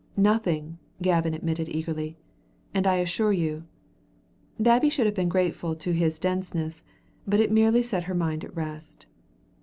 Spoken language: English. "Nothing," Gavin admitted eagerly, "and I assure you " Babbie should have been grateful to his denseness, but it merely set her mind at rest.